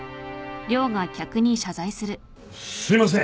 すいません。